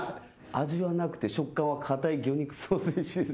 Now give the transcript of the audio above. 「味はなくて食感は硬い魚肉ソーセージです」